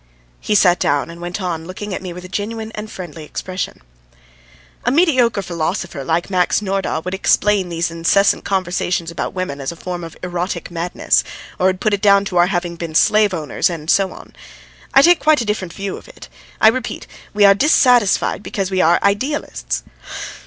He sat down and went on, looking at me with a genuine and friendly expression: "A mediocre philosopher, like Max Nordau, would explain these incessant conversations about women as a form of erotic madness, or would put it down to our having been slave owners and so on; I take quite a different view of it. I repeat, we are dissatisfied because we are idealists.